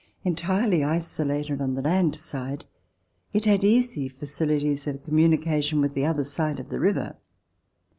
Entirely isolated on the land side, it had easy facilities of communication with the other side of the river.